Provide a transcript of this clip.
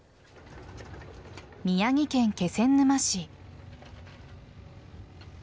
宮城県気仙沼市。